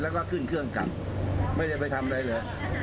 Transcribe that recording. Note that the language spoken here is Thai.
แล้วก็ขึ้นเครื่องกลับไม่ได้ไปทำอะไรเลย